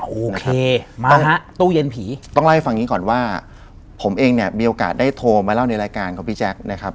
โอเคมาฮะตู้เย็นผีต้องเล่าให้ฟังอย่างนี้ก่อนว่าผมเองเนี่ยมีโอกาสได้โทรมาเล่าในรายการของพี่แจ๊คนะครับ